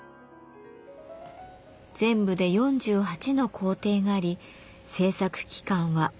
全部で４８の工程があり制作期間は２か月以上。